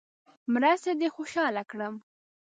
مرستې دې خوشاله کړم.